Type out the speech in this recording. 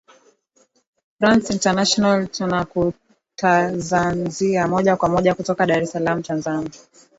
dio france international tunakutanzazia moja kwa moja kutoka dar es salaam tanzania